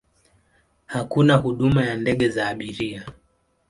Hakuna huduma ya ndege za abiria.